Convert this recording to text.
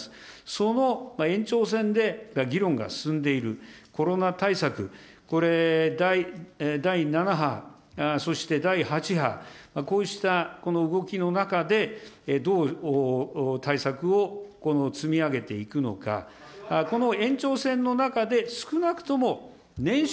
その延長線で議論が進んでいるコロナ対策、これ、第７波、そして第８波、こうしたこの動きの中で、どう対策を積み上げていくのか、この延長線の中で、少なくともねん